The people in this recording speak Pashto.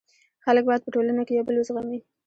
خلک باید په ټولنه کي یو بل و زغمي.